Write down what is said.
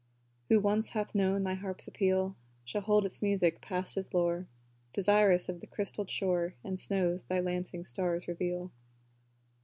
Who once hath known thy harp's appeal Shall hold its music past his lore Desirous of the crystalled shore And snows thy lancing stars reveal.